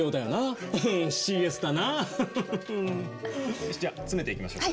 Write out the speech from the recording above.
よしじゃあ詰めていきましょうか。